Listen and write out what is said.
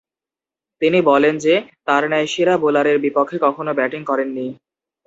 তিনি বলেন যে, তার ন্যায় সেরা বোলারের বিপক্ষে কখনো ব্যাটিং করেননি।